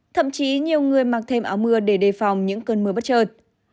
thậm chí nhiều người mặc thêm áo mưa để đề phòng những cơn mưa bất trợt